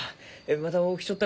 まだ起きちょっ